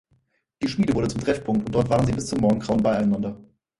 Die Schmiede wurde zum Treffpunkt und dort waren sie bis zum Morgengrauen beieinander.